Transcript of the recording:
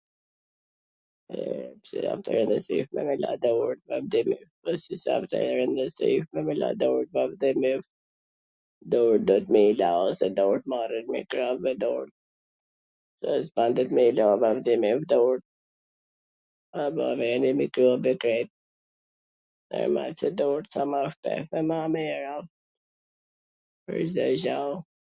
durt duhet me i la se durt marrin mikrobe durt ... sa ma shpejt aq ma mir, a, Cdo gja.